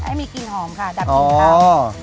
ให้มีกลิ่นหอมค่ะดับกลิ่นค่ะ